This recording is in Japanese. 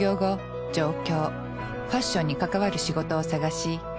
ファッションに関わる仕事を探し。